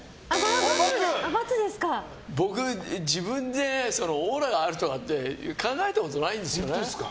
僕、自分でオーラがあるとかって考えたことないんですよね。